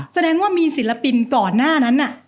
แสดงว่ามีศิลปินก่อนหน้านั้น